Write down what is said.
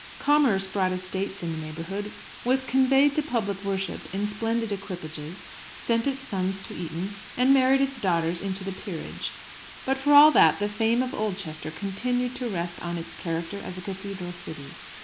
Commerce bought estates in the neighbourhood, was conveyed to public worship in splendid equipages, sent its sons to Eton, and married its daughters into the Peerage. But, for all that, the fame of Oldchester continued to rest on its character as a cathedral city.